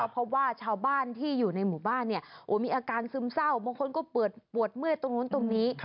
เพราะว่าชาวบ้านที่อยู่ในหมู่บ้านมีอาการซึมเศร้าบางคนก็ปวดเมื่อยตรงนู้นตรงนี้